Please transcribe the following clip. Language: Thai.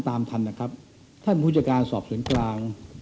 ท่านปั้นนะครับท่านผู้เจอการสสกกลาง